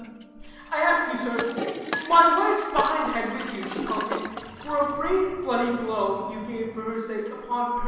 Ah. I ask you, sir; My wife's behindhand with you, she tells me, For a brave bloody blow you gave for her sake Upon Piracquo.